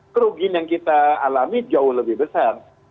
kerugian yang kita alami jauh lebih besar